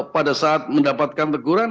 pada saat mendapatkan teguran